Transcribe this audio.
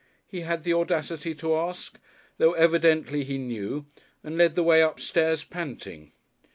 he had the audacity to ask, though evidently he knew, and led the way upstairs panting.